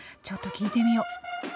ちょっと聞いてみよ。